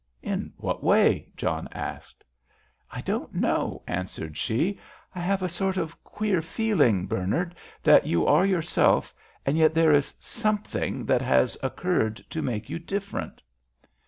"In what way?" John asked. "I don't know," answered she. "I have a sort of queer feeling, Bernard, that you are yourself, and yet there is something that has occurred to make you different."